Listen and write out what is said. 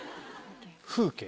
風景。